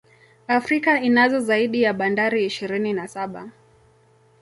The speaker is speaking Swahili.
Afrika inazo zaidi ya Bandari ishirini na saba